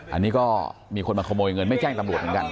อันนี้ก็มีคนมาขโมยเงินไม่แจ้งตำรวจเหมือนกัน